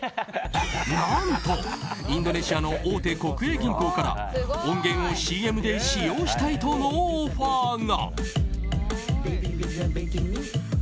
何と、インドネシアの大手国営銀行から音源をＣＭで使用したいとのオファーが。